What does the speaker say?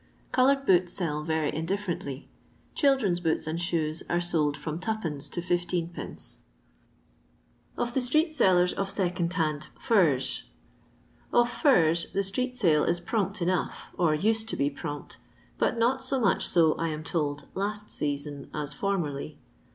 Coloured boots sell very in di^rently. Children's boots and shoes are sold from 2tf. to 16d. Or THS Stbesi Sillebs or Ssoohd hard Furs. Ov furs the street sale is prompt enough, or used to be prompt ; but not so much so, I am told, last season, as formerly.